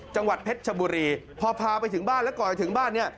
จังหวัดเพชรชบุรีพอพาไปถึงบ้านแล้วก่อนถึงบ้านเนี่ย